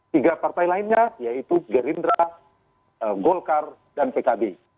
tiga partai lainnya yaitu gerindra golkar dan pkb